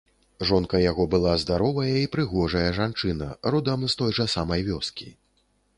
Жонка яго была здаровая і прыгожая жанчына, родам з той жа самай вёскі.